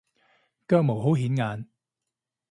腳毛好顯眼